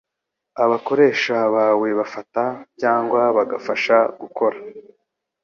Abakoresha bawe bafata, cyangwa bagafasha gukora